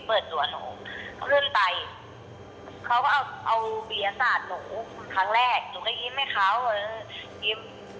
คือก็มีกิริยาที่แบบว่าเขาถือเบียร์คนแล้วก็ปล่องอะไรอย่างเงี้ย